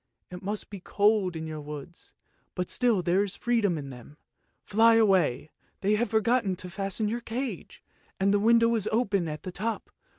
It must be cold in your woods, but still there is freedom in them. Fly away! they have forgotten to fasten your cage, and the window is open at the top.